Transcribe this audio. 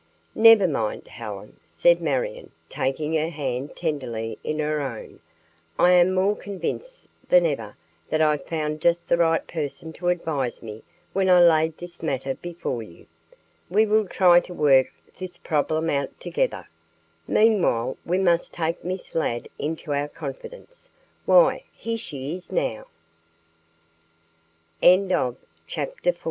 "Never mind, Helen," said Marion, taking her hand tenderly in her own. "I am more convinced than ever that I found just the right person to advise me when I laid this matter before you. We will try to work this problem out together. Meanwhile we must take Miss Ladd into our confidence. Why, here she is now." CHAPTER V.